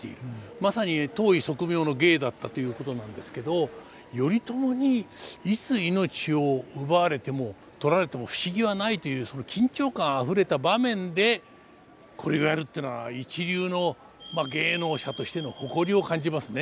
まさに当意即妙の芸だったということなんですけど頼朝にいつ命を奪われても取られても不思議はないというその緊張感あふれた場面でこれをやるというのは一流の芸能者としての誇りを感じますね。